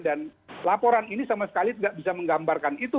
dan laporan ini sama sekali tidak bisa menggambarkan itu